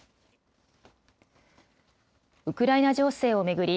ウクライナ情勢を巡り